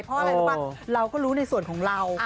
เพลาะเรารู้ในส่วนของเรา